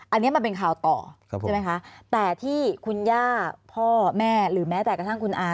อันนี้มันเป็นข่าวต่อใช่ไหมคะแต่ที่คุณย่าพ่อแม่หรือแม้แต่กระทั่งคุณอา